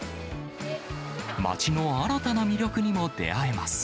街の新たな魅力にも出会えます。